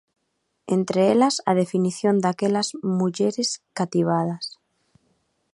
Entre elas a definición daquelas mulleres cativadas.